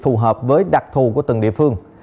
phù hợp với đặc thù của từng địa phương